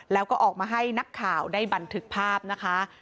แล้วก็ออกมาให้นักข่าวได้บันทึกภาพนะคะ